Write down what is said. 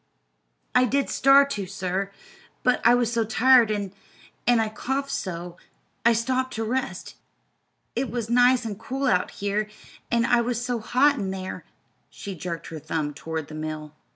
"I did start to, sir, but I was so tired, an' an' I coughed so, I stopped to rest. It was nice an' cool out here, an' I was so hot in there." She jerked her thumb toward the mill.